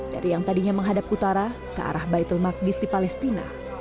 dari yang tadinya menghadap utara ke arah baitul maqdis di palestina